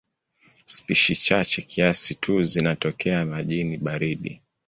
Spishi chache kiasi tu zinatokea majini baridi.